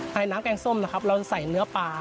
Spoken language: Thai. น้ำแกงส้มนะครับเราใส่เนื้อปลา